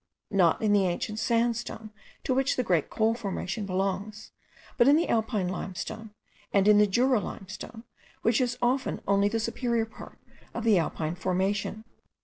not in the ancient sandstone to which the great coal formation belongs, but in the Alpine limestone, and in the Jura limestone, which is often only the superior part of the Alpine formation.